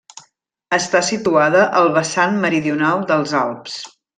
Està situada al vessant meridional dels Alps.